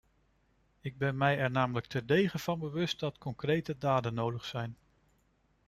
Ik ben mij er namelijk terdege van bewust dat concrete daden nodig zijn.